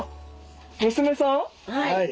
はい。